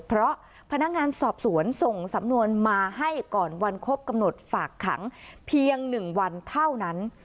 เพราะพนักงานสอบสวนส่งสำนวนมาให้ก่อนวันครบกำหนดฝากขังเพียง๑วันเท่านั้น